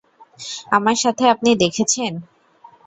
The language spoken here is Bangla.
আমার সাথে আপনি দেখেছেন?